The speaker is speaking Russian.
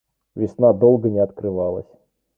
Весна долго не открывалась.